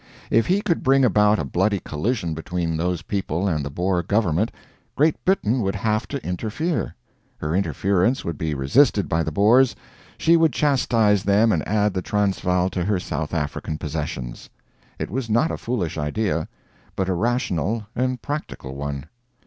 If he could bring about a bloody collision between those people and the Boer government, Great Britain would have to interfere; her interference would be resisted by the Boers; she would chastise them and add the Transvaal to her South African possessions. It was not a foolish idea, but a rational and practical one.